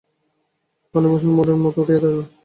ফণিভঊষণ মূঢ়ের মতো উঠিয়া দাঁড়াইল।